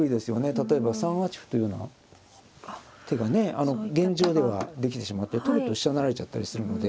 例えば３八歩というような手がね現状ではできてしまって取ると飛車成られちゃったりするので。